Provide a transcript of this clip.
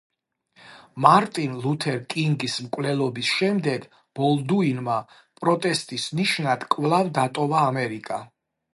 მარტინ ლუთერ კინგის მკვლელობის შემდეგ ბოლდუინმა პროტესტის ნიშნად კვლავ დატოვა ამერიკა.